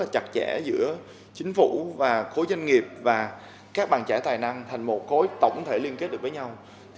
rất là chặt chẽ giữa chính phủ và khối doanh nghiệp và các bàn chải tài năng thành một khối tổng thể liên kết được với nhau